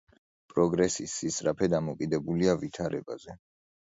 პროგრესის სისწრაფე დამოკიდებულია ვითარებაზე.